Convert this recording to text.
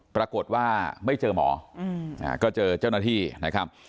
ปรากฏว่าไม่เจอหมอก็เจอเจ้าหน้าที่นะครับ